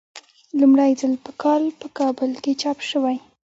لومړی ځل په کال په کابل کې چاپ شوی.